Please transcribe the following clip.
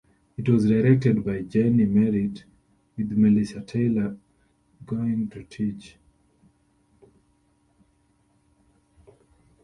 It was directed by Jenni Merrit with Melissa Taylor doing tech.